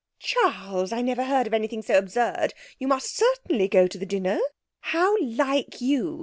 'Charles! I never heard of anything so absurd! You must certainly go to the dinner. How like you!